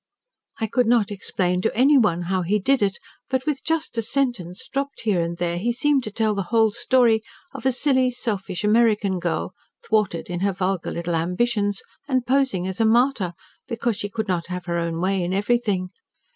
I could not explain to anyone how he did it, but with just a sentence, dropped here and there, he seemed to tell the whole story of a silly, selfish, American girl, thwarted in her vulgar little ambitions, and posing as a martyr, because she could not have her own way in everything.